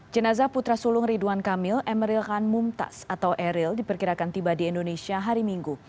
jenazah putra sulung ridwan kamil emeril khan mumtaz atau eril diperkirakan tiba di indonesia hari minggu